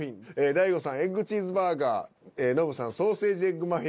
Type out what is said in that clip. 大悟さん「エッグチーズバーガー」ノブさん「ソーセージエッグマフィン」